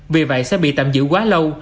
vì vậy sẽ bị tạm giữ quá lâu